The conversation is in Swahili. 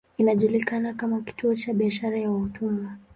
Ilijulikana kama kituo cha biashara ya watumwa.